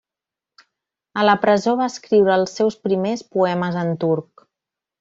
A la presó va escriure els seus primers poemes en turc.